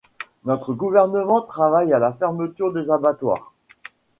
Notre gouvernement travaille à la fermeture des abattoirs.